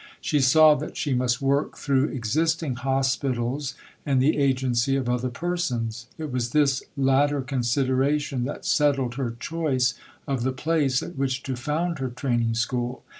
She saw that she must work through existing hospitals and the agency of other persons. It was this latter consideration that settled her choice of the place at which to found her Training School.